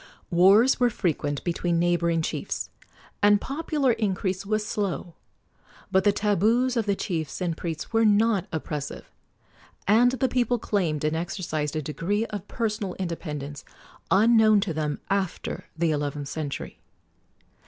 Wars were frequent between neighboring chiefs, and popular increase was slow; but the tabus of the chiefs and priests were not oppressive, and the people claimed and exercised a degree of personal independence unknown to them after the eleventh century.